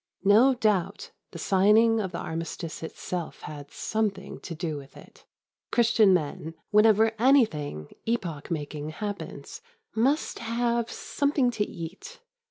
No doubt the signing of the Armistice itself had something to do with it. Christian men, whenever anything epoch making happens, must have something to eat.